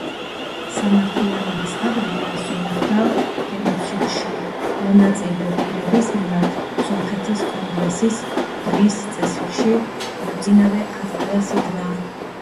სამართლიანობის აღდგენა სომეხთა გენოციდში მონაწილე პირების მიმართ სომხეთის კონგრესის დღის წესრიგში მოწინავე ადგილას იდგა.